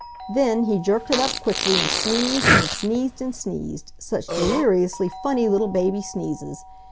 Then he jerked it up quickly and sneezed and sneezed and sneezed, such deliriously funny little baby sneezes!